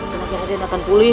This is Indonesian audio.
mungkin raden akan pulih